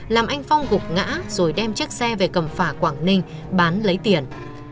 làm anh phong gục ngã rồi đem chiếc xe về cầm phả quảng ninh bán lấy tiền